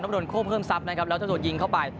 โดนโค้มเพิ่มทรัพย์นะครับแล้วเจ้าตัวยิงเข้าไป